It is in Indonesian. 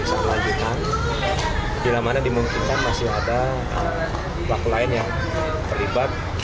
jika kami bisa melanjutkan bila dimungkinkan masih ada pelaku lain yang terlibat